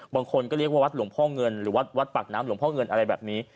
บางคนก็เรียกว่าวัดหลวงพ่อเงินหรือวัดวัดปากน้ำหลวงพ่อเงินอะไรแบบนี้